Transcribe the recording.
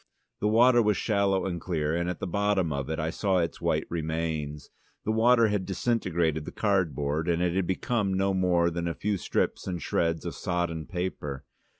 The water was shallow and clear, and at the bottom of it I saw its white remains. The water had disintegrated the cardboard, and it had become no more than a few strips and shreds of sodden paper.